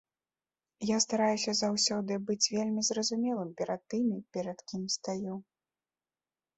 Я стараюся заўсёды быць вельмі зразумелым перад тымі, перад кім стаю.